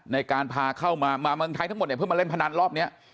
ในการพาเข้ามามาเมืองไทยทั้งหมดเนี่ยเพื่อมาเล่นพนันรอบนี้